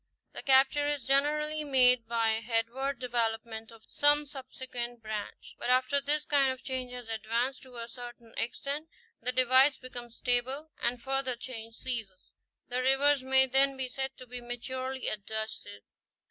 The capture is generally made by the headward development of some subsequent branch. But after this kind of change has advanced to a certain extent, the divides become stable, and further change ceases. The rivers may then be said to be maturely adjusted.